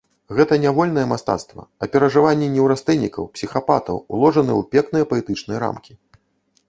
Гэта не вольнае мастацтва, а перажыванні неўрастэнікаў, псіхапатаў, уложаныя ў пекныя паэтычныя рамкі.